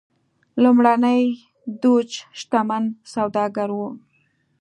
لومړنی دوج شتمن سوداګر و.